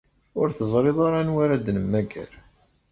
Ur teẓṛiḍ ara anwa ara d-nemmager.